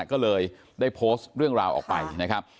ก็เลยได้โพสต์เรื่องราวออกไปนะครับ